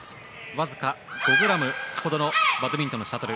わずか５ｇほどのバドミントンのシャトル。